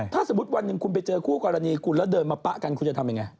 ถ้าสมมุติวันหนึ่งคุณไปเจอคู่กรณีคุณแล้วเดินมาปะกันคุณจะทำยังไง